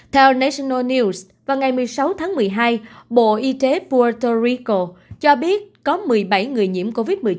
theo nasino news vào ngày một mươi sáu tháng một mươi hai bộ y tế puter rico cho biết có một mươi bảy người nhiễm covid một mươi chín